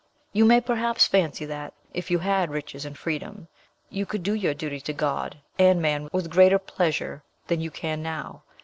"You may perhaps fancy that, if you had riches and freedom, you could do your duty to God and man with greater pleasure than you can now.